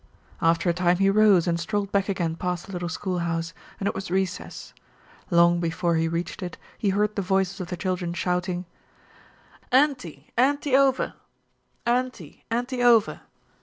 After a time he rose and strolled back again past the little schoolhouse, and it was recess. Long before he reached it he heard the voices of the children shouting, "Anty, anty over, anty, anty over."